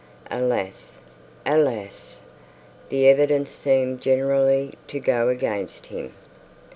Alas, alas! the evidence seemed generally to go against him.